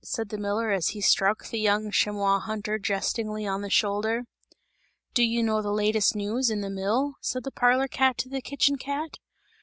said the miller as he struck the young chamois hunter, jestingly on the shoulder. "Do you know the latest news in the mill?" said the parlour cat to the kitchen cat.